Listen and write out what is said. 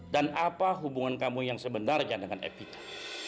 dan apa hubungan kamu yang sebenarnya dengan evita